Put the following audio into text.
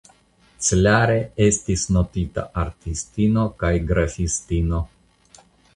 Clare estas notita artistino kaj grafistino.